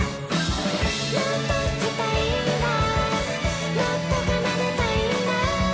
「もっと弾きたいんだもっと奏でたいんだ」